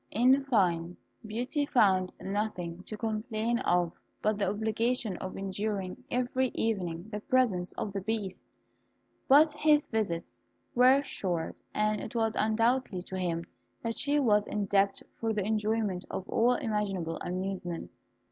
In fine, Beauty found nothing to complain of but the obligation of enduring every evening the presence of the Beast; but his visits were short, and it was undoubtedly to him that she was indebted for the enjoyment of all imaginable amusements.